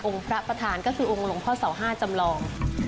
พระประธานก็คือองค์หลวงพ่อเสาห้าจำลอง